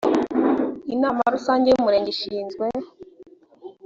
inama rusange y umurenge ishinzwe